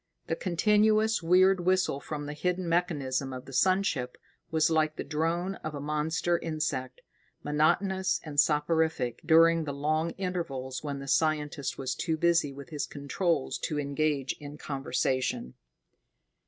The continuous weird whistle from the hidden mechanism of the sun ship was like the drone of a monster insect, monotonous and soporific during the long intervals when the scientist was too busy with his controls to engage in conversation.